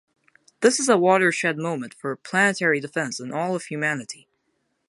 this is a watershed moment for planetary defense and all of humanity